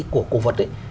của cổ vật